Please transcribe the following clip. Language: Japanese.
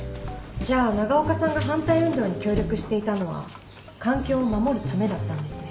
じゃあ長岡さんが反対運動に協力していたのは環境を守るためだったんですね。